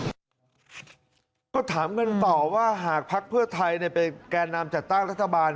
ก็ถามกันต่อว่าหากภักดิ์เพื่อไทยเป็นแก่นำจัดตั้งรัฐบาล